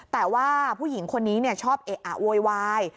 แต่ว่าผู้หญิงคนนี้ชอบเอะอะโวยวาย